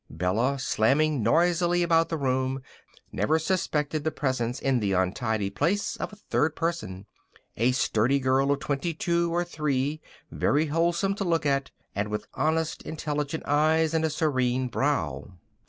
Bella, slamming noisily about the room, never suspected the presence in the untidy place of a third person a sturdy girl of twenty two or three, very wholesome to look at, and with honest, intelligent eyes and a serene brow.